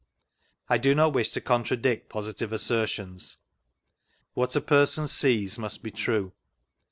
I do not wish to contradict positive assertions. What a perstHi sees must be true.